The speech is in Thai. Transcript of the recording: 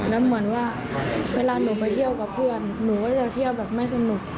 แล้วเหมือนว่าเวลาหนูไปเที่ยวกับเพื่อนหนูก็จะเที่ยวแบบไม่สนุก